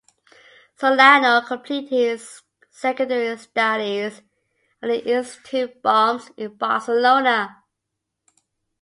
Solano completed his secondary studies at the Institut Balmes, in Barcelona.